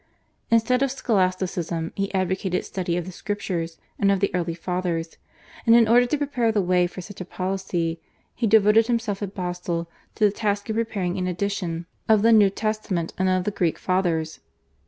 Instead of Scholasticism he advocated study of the Scriptures and of the early Fathers, and in order to prepare the way for such a policy he devoted himself at Basle to the task of preparing an edition of the New Testament and of the Greek Fathers.